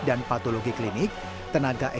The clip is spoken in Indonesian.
dan patologi klinik tenaga eksplosif dan penyelenggaraan